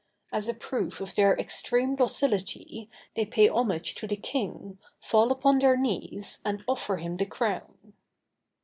As a proof of their extreme docility, they pay homage to the king, fall upon their knees, and offer him the crown.